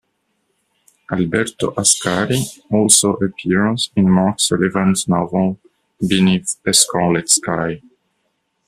Alberto Ascari also appears in Mark Sullivan's novel "Beneath a scarlet sky".